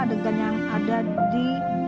adegan yang ada di